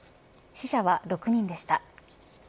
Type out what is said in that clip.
死者は６人でした。